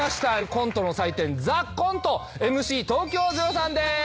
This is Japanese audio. コントの祭典『ＴＨＥＣＯＮＴＥ』ＭＣ東京０３です。